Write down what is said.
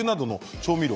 調味料